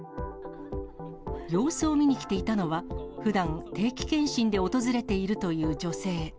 様子を見に来ていたのは、ふだん定期健診で訪れているという女性。